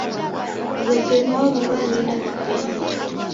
W'eke mwaw'u w'aghenda w'upenyi